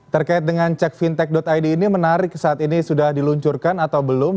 terkait dengan cek fintech id ini menarik saat ini sudah diluncurkan atau belum